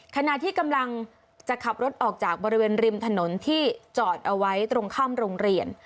ขณะที่กำลังจะขับรถออกจากบริเวณริมถนนที่จอดเอาไว้ตรงข้ามโรงเรียน